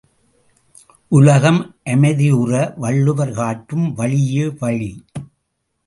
உலகம் அமைதியுற வள்ளுவர் காட்டும் வழியே வழி!